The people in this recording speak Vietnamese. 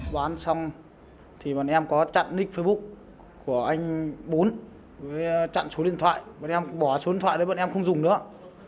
bán xong thì bọn em có chặn nich facebook của anh bốn với chặn số điện thoại bọn em bỏ số điện thoại đấy bọn em không dùng nữa